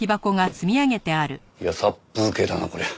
いや殺風景だなこりゃ。